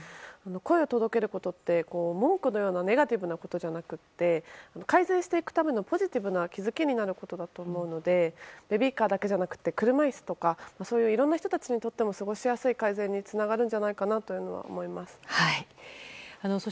声を届けることって文句のようなネガティブなことじゃなくて改善していくためのポジティブな気づきになることだと思うのでベビーカーだけじゃなくて車椅子とかそういういろんな人たちにとっても過ごしやすい改善につながるんじゃないかなと思います。